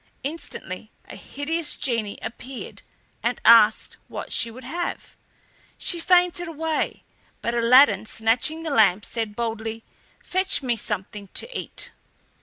Instantly a hideous genie appeared, and asked what she would have. She fainted away, but Aladdin, snatching the lamp, said boldly: "Fetch me something to eat!"